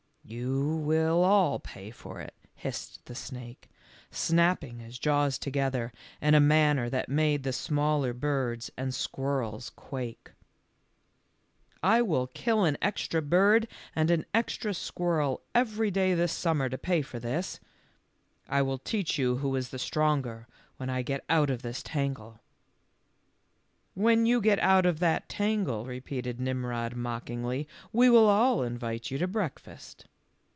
"You will all pay for it," hissed the snake, snapping his jaws together in a manner that made the smaller birds and squirrels quake. 98 THE LITTLE FORESTERS. " I will kill an extra bird and an extra squirrel every day this summer to pay for this. I will teach you who is the stronger when I get out of this tangle." " When you get out of that tangle," repeated Nimrod mockingly, " we will all invite you to breakfast."